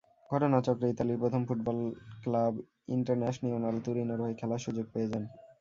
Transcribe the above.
ঘটনাচক্রে ইতালির প্রথম ফুটবল ক্লাব ইন্টারন্যাশিওনাল তুরিনোর হয়ে খেলার সুযোগ পেয়ে যান।